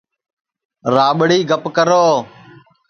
راٻڑی گپ کرو